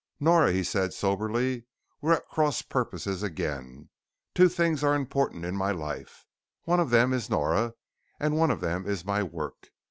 "Nora," he said soberly, "we're at cross purposes again. Two things are important in my life. One of them is Nora and one of them is my work.